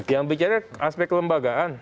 yang bicara aspek kelembagaan